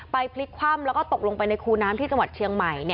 พลิกคว่ำแล้วก็ตกลงไปในคูน้ำที่จังหวัดเชียงใหม่